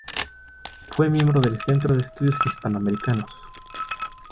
Fue miembro del Centro de Estudios Hispanoamericanos.